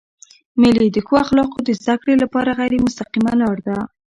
مېلې د ښو اخلاقو د زدهکړي له پاره غیري مستقیمه لار ده.